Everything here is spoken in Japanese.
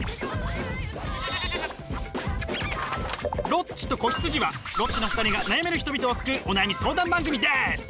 「ロッチと子羊」はロッチの２人が悩める人々を救うお悩み相談番組です！